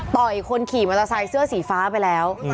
คนขี่มอเตอร์ไซค์เสื้อสีฟ้าไปแล้ว